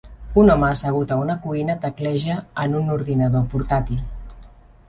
Un home assegut a una cuina tecleja en un ordinador portàtil.